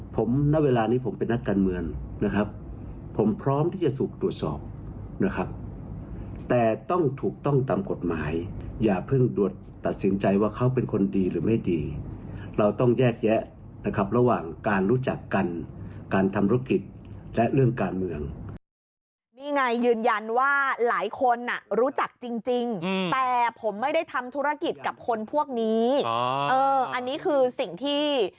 ผมณเวลานี้ผมเป็นนักการเมืองนะครับผมพร้อมที่จะถูกตรวจสอบนะครับแต่ต้องถูกต้องตามกฎหมายอย่าเพิ่งตรวจตัดสินใจว่าเขาเป็นคนดีหรือไม่ดีเราต้องแยกแยะนะครับระหว่างการรู้จักกันการทำธุรกิจและเรื่องการเมืองนี่ไงยืนยันว่าหลายคนอ่ะรู้จักจริงจริงแต่ผมไม่ได้ทำธุรกิจกับคนพวกนี้อันนี้คือสิ่งที่